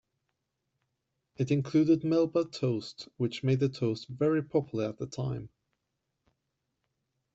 It included Melba toast, which made the toast very popular at the time.